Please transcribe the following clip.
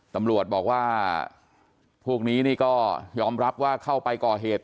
ตำรวจบอกว่าพวกนี้นี่ก็ยอมรับว่าเข้าไปก่อเหตุ